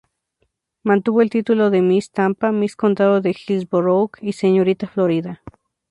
Mantuvo el título de "Miss Tampa", "Miss Condado de Hillsborough" y "señorita Florida".